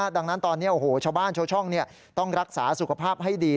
ดังนั้นตอนนี้ชาวบ้านชาวช่องต้องรักษาสุขภาพให้ดี